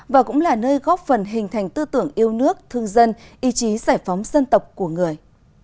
và cũng là nơi góp phần hình thành tư tưởng yêu nước thương dân ý chí giải phóng dân tộc của người